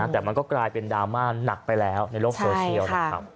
แต่มันก็กลายเป็นดราม่าหนักไปแล้วในโลกโซเชียลนะครับ